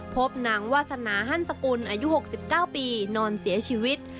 พบหนังวาสนาหั่นสกุลอายุหกสิบเก้าปีนอนเสียชีวิต